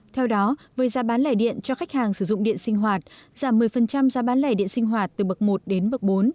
theo đó với giá bán lẻ điện cho khách hàng sử dụng điện sinh hoạt giảm một mươi giá bán lẻ điện sinh hoạt từ bậc một đến bậc bốn